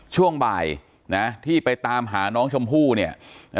ช่วงบ่ายนะที่ไปตามหาน้องชมพู่เนี่ย